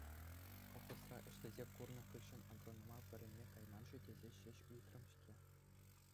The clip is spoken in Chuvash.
Колхозра ӗҫлесе курнӑ хыҫҫӑн агронома вӗренме кайман-ши тесе ҫеҫ ыйтрӑм-ҫке..